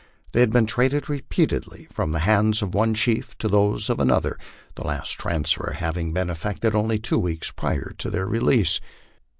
They had been traded repeatedly from the hands of one chief to those of another, the last transfer having been effected only two weeks prior to their release.